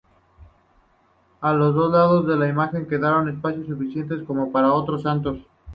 A los lados de la imagen quedaron espacios suficientes como para otros Santos.